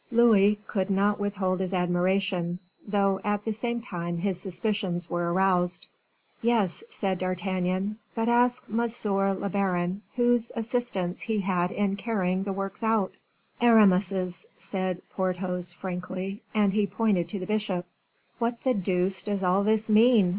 Louis could not withhold his admiration, though at the same time his suspicions were aroused. "Yes," said D'Artagnan, "but ask monsieur le baron whose assistance he had in carrying the works out?" "Aramis's," said Porthos, frankly; and he pointed to the bishop. "What the deuce does all this mean?"